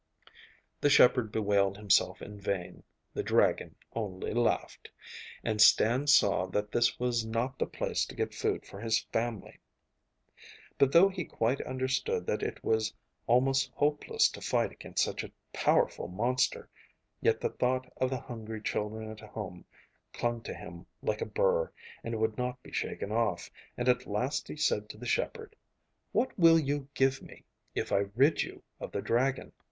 The shepherd bewailed himself in vain: the dragon only laughed, and Stan saw that this was not the place to get food for his family. But though he quite understood that it was almost hopeless to fight against such a powerful monster, yet the thought of the hungry children at home clung to him like a burr, and would not be shaken off, and at last he said to the shepherd, 'What will you give me if I rid you of the dragon?